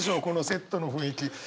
このセットの雰囲気。